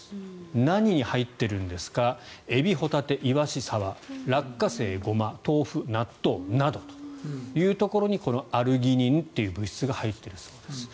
何に入っているんですかエビ、ホタテ、イワシ、サバラッカセイ、ゴマ豆腐、納豆などというところにこのアルギニンという物質が入っているそうです。